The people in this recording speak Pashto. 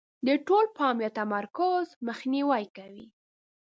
د ټول پام یا تمرکز مخنیوی کوي.